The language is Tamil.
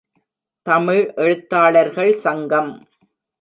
தமிழ் எழுத்தாளர்கள் சங்கம்.